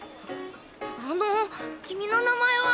あの君の名前は？